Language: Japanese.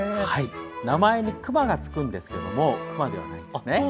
名前にクマがつくんですけどもクマではないんですね。